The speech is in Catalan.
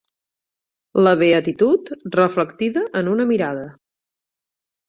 La beatitud reflectida en una mirada.